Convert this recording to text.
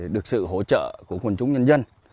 được sự hỗ trợ của quần chúng nhân dân